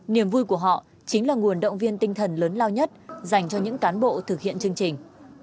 niềm vui của họ chính là nguồn động viên tinh thần lớn lao nhất dành cho những cán bộ thực hiện chương trình